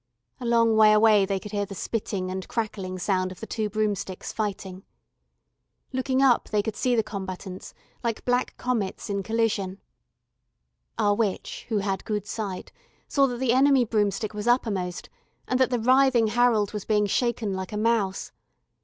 A long way away they could hear the spitting and crackling sound of the two broomsticks fighting. Looking up, they could see the combatants, like black comets in collision. Our witch, who had good sight, saw that the enemy broomstick was upper most, and that the writhing Harold was being shaken like a mouse.